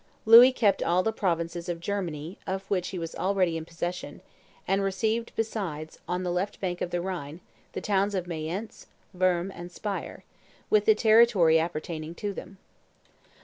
Louis kept all the provinces of Germany of which he was already in possession, and received besides, on the left bank of the Rhine, the towns of Mayence, Worms, and Spire, with the territory appertaining to them.